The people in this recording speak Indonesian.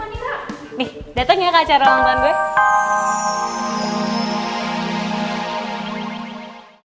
nih datang ya ke acara ulang tahun gue